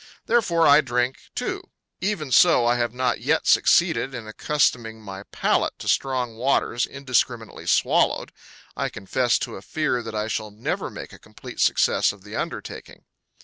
Therefore I drink, too. Even so, I have not yet succeeded in accustoming my palate to strong waters indiscriminately swallowed. I confess to a fear that I shall never make a complete success of the undertaking.